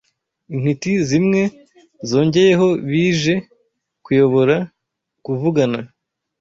Intiti zimwe zongeyeho bije kuyobora kuvugana